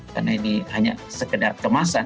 karena ini hanya sekedar kemasan